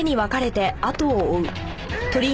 鳥居！